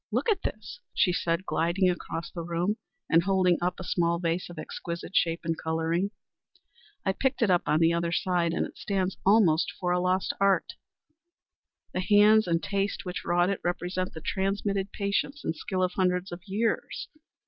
Look at this," she said, gliding across the room and holding up a small vase of exquisite shape and coloring, "I picked it up on the other side and it stands almost for a lost art. The hands and taste which wrought it represent the transmitted patience and skill of hundreds of years.